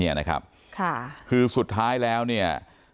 เนี่ยนะครับค่ะคือสุดท้ายแล้วเนี่ย